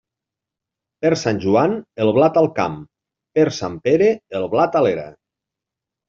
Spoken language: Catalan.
Per Sant Joan, el blat al camp; per Sant Pere, el blat a l'era.